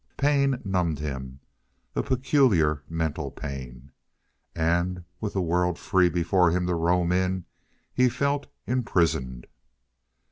Pain numbed him, a peculiar mental pain. And, with the world free before him to roam in, he felt imprisoned.